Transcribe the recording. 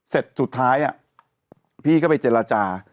เสร็จสุดท้ายพี่ก็ไปเจรจา